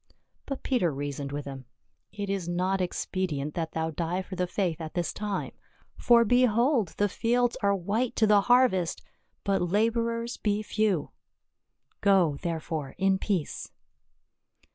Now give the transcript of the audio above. But Peter reasoned with him, " It is not expedient that thou die for the faith at this time, for behold the fields are white to the harvest, but laborers be few. Go, therefore, in peace."